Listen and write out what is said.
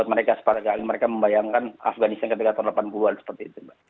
buat mereka sepada kali mereka membayangkan afghanistan ketika tahun delapan puluh an seperti itu